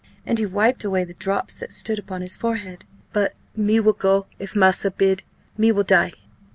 and he wiped away the drops that stood upon his forehead. "But me will go, if massa bid me will die!"